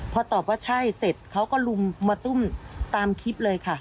พอตอบว่าใช่เสร็จเขาก็ลุมมาตุ้มตามคลิปเลยค่ะ